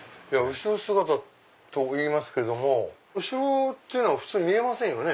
後ろ姿と言いますけれども後ろって普通見えませんよね？